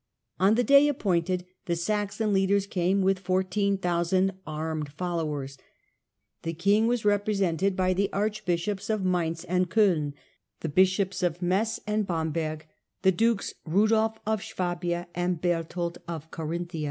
On the day appointed the Saxon leaders came with 14,000 armed followers ; the king was represented by the archbishops of Mainz and Coin, the bishops of Metz and Bamberg, the dukes Rudolf of Swabia and Berthold of Carinthia.